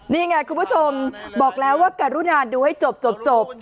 นี่ไงคุณผู้ชมบอกแล้วว่าการุณาดูให้จบ